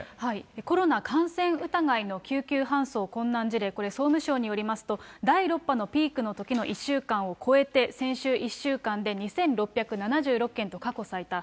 コロナ感染疑いの救急搬送困難事例、これ、総務省によりますと、第６波のピークのときの１週間を超えて、先週１週間で２６７６件と過去最多。